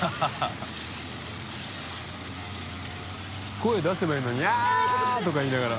声出せばいいのに「わぁ！」とか言いながら。